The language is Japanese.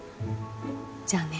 じゃあね。